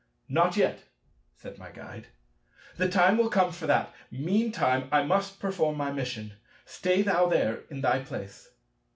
"Not yet," said my Guide, "the time will come for that. Meantime I must perform my mission. Stay thou there in thy place."